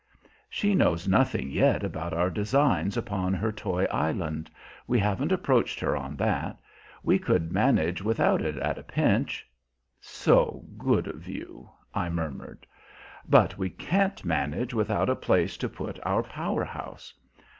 "She knows nothing yet about our designs upon her toy island. We haven't approached her on that. We could manage without it at a pinch." "So good of you!" I murmured. "But we can't manage without a place to put our power house."